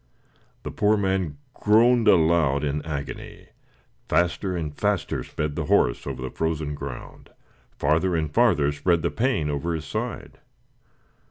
The poor man groaned aloud in agony; faster and faster sped the horse over the frozen ground farther and farther spread the pain over his side.